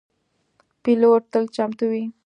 پیلوټ تل چمتو وي.